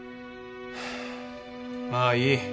まあいい。